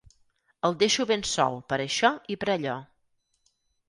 El deixo ben sol per això i per allò.